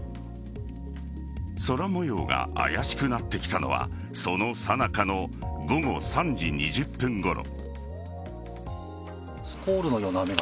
空模様があやしくなってきたのはそのさなかの午後３時２０分ごろ。